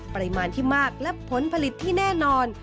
ปริมาณที่มากและผลผลิตที่แน่นอน